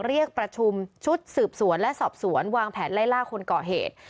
เรียกประชุมชุดสืบสวนและสอบสวนวางแผนไล่ล่าคนก่อเหตุ